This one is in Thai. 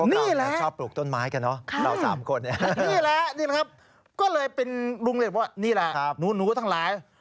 นี่แหละนี่แหละครับก็เลยเป็นลุงเรียกว่านี่แหละหนูทั้งหลาย